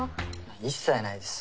一切ないです。